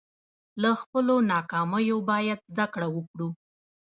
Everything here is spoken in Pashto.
له خپلو ناکامیو باید زده کړه وکړو.